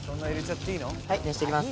はい熱していきます。